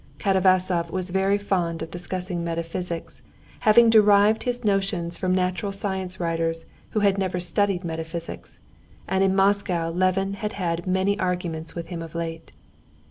Katavasov was very fond of discussing metaphysics, having derived his notions from natural science writers who had never studied metaphysics, and in Moscow Levin had had many arguments with him of late.